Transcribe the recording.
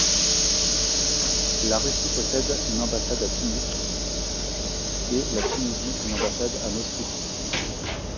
La Russie possède une ambassade à Tunis et la Tunisie une ambassade à Moscou.